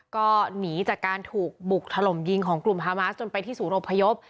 ก็หนีจากการถูกบุกถล่มยิงของกลุ่มฮามาสจนไปที่ศูนย์อพยพ